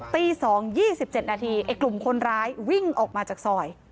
ตีสองยี่สิบเจ็ดนาทีกลุ่มคนร้ายวิ่งออกมาจากซอย